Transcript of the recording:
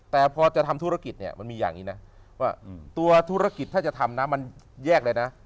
แต่พอจะทำธุรกิจเนี่ยมันมีอย่างนี้นะว่าตัวธุรกิจถ้าจะทำนะมันแยกเลยนะ